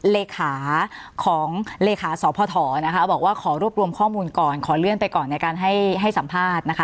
เลขาของเลขาสพนะคะบอกว่าขอรวบรวมข้อมูลก่อนขอเลื่อนไปก่อนในการให้สัมภาษณ์นะคะ